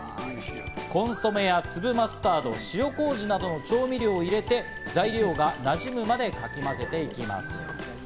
コンソメや粒マスタード、塩麹などの調味料を入れて、材料がなじむまで、かき混ぜていきます。